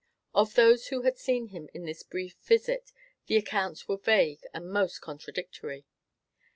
Of those who had seen him in this brief visit the accounts were vague and most contradictory.